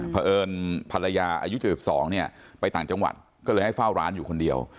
เพราะเอิญภรรยาอายุ๗๒เนี่ยไปต่างจังหวัดก็เลยให้เฝ้าร้านอยู่คนเดียว